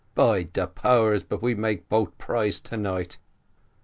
By de power, but we make bon prize to night."